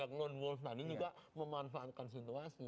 ya kan kelompoknya yang non wolf tadi juga memanfaatkan situasi